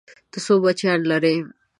ته څو بچيان لرې؟